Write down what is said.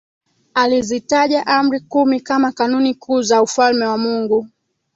alizitaja Amri kumi kama kanuni kuu za Ufalme wa Mungu